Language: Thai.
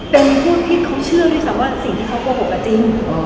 เป็นผู้ที่เขาเชื่อด้วยซ้ำว่าสิ่งที่เขาโกหกจริง